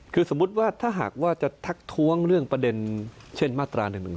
คือสมมุติว่าถ้าหากว่าจะทักท้วงเรื่องประเด็นเช่นมาตรา๑๑๒